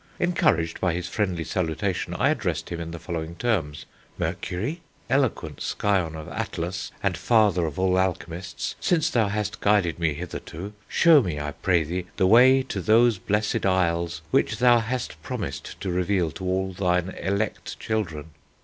Encouraged by his friendly salutation, I addressed him in the following terms: 'Mercury, eloquent scion of Atlas, and father of all Alchemists, since thou hast guided me hitherto, shew me, I pray thee, the way to those Blessed Isles, which thou hast promised to reveal to all thine elect children.